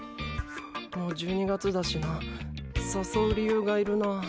もう１２月だしな誘う理由がいるなぁ。